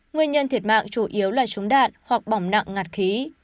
nguyên nhân thiệt mạng chủ yếu là súng đạn hoặc bỏng nặng ngạt khí